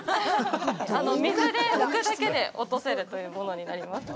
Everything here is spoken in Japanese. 水で拭くだけで落とせるものになっております。